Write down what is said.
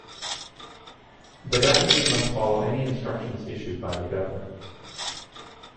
The Deputy must follow any instructions issued by the Governor.